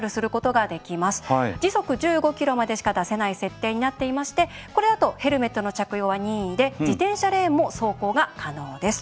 時速１５キロまでしか出せない設定になっていましてこれだとヘルメットの着用は任意で自転車レーンも走行が可能です。